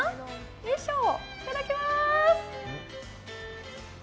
よいしょ、いただきまーす。